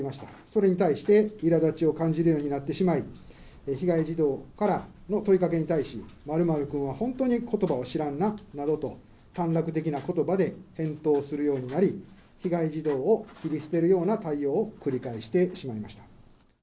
それに対して、いらだちを感じるようになってしまい、被害児童からの問いかけに対し、○○君は本当にことばを知らんななどと、短絡的なことばで返答するようになり、被害児童を切り捨てるような対応を繰り返してしまいました。